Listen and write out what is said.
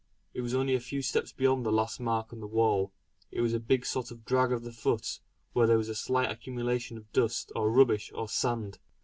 It was only a few steps beyond the last mark on the wall. It was a sort of drag of the foot, where there was any slight accumulation of dust, or rubbish, or sand.